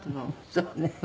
そうね。